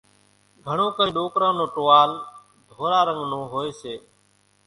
گھڻون ڪرينَ ڏوڪران نون ٽووال ڌورا رنڳ نون هوئيَ سي۔